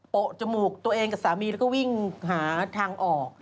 จมูกตัวเองกับสามีแล้วก็วิ่งหาทางออก